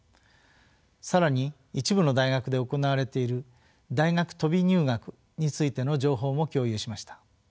更に一部の大学で行われている大学飛び入学についての情報も共有しました。